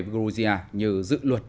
với georgia như dự luật